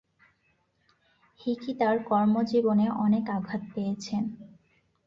Hicky তার কর্মজীবনে অনেক আঘাত পেয়েছেন।